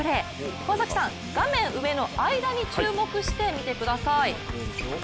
川崎さん、画面上の英田に注目して見てください。